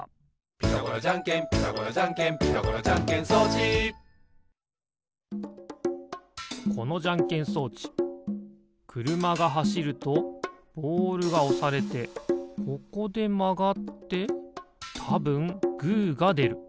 「ピタゴラじゃんけんピタゴラじゃんけん」「ピタゴラじゃんけん装置」このじゃんけん装置くるまがはしるとボールがおされてここでまがってたぶんグーがでる。